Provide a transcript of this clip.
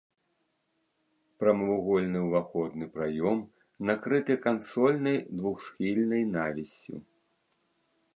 Прамавугольны ўваходны праём накрыты кансольнай двухсхільнай навіссю.